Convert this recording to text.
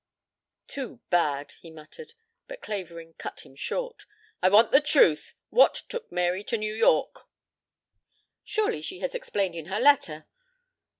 "Too bad," he muttered, but Clavering cut him short. "I want the truth. What took Mary to New York?" "Surely she explained in her letter."